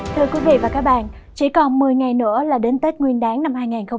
thưa quý vị và các bạn chỉ còn một mươi ngày nữa là đến tết nguyên đáng năm hai nghìn hai mươi